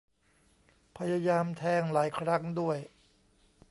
พยายามแทงหลายครั้งด้วย